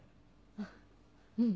あっうん。